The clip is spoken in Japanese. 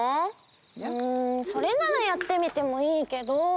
うんそれならやってみてもいいけど。